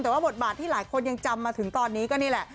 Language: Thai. แต่ว่าบทบาทที่หลายคนยังจำมาถึงตอนนี้ก็นี่แหละ